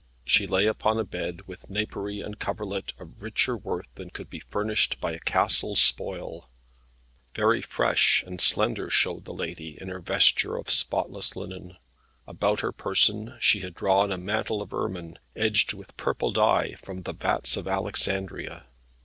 She lay upon a bed with napery and coverlet of richer worth than could be furnished by a castle's spoil. Very fresh and slender showed the lady in her vesture of spotless linen. About her person she had drawn a mantle of ermine, edged with purple dye from the vats of Alexandria.